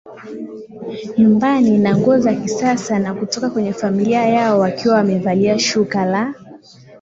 nyumbani na nguo za kisasa na hutoka kwenye familia yao wakiwa wamevalia shuka la